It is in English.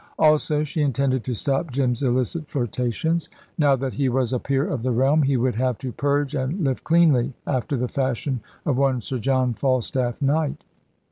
Also, she intended to stop Jim's illicit flirtations. Now that he was a peer of the realm he would have "to purge and live cleanly," after the fashion of one Sir John Falstaff, Knight.